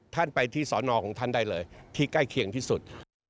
ท่านไปที่สอนอของท่านได้เลยที่ใกล้เคียงที่สุด